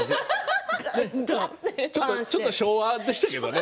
ちょっと昭和でしたけどね。